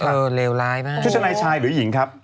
เออเลวร้ายมากโอ้โฮชุดชะไนชายหรือหญิงครับ